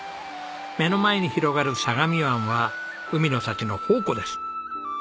目の前に広がる相模湾は海の幸の宝庫です。